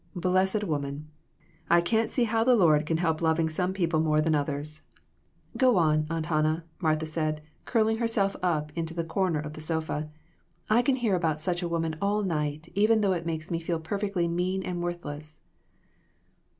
Blessed woman ! I can't see how the Lord can help loving some people more than others." PERSECUTION OF THE SAINTS. 185 "Go on, Aunt Hannah," Martha said, curling herself into the corner of the sofa; "I can hear about such a woman all night, even though it makes me feel perfectly mean and worthless."